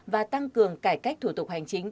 và tăng cường cải cách thủ tục hành chính